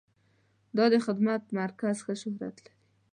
دا د خدمت مرکز ښه شهرت لري.